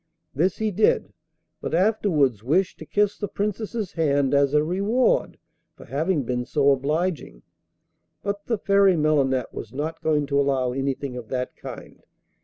This he did, but afterwards wished to kiss the Princess's hand as a reward for having been so obliging; but the Fairy Melinette was not going to allow anything of that kind.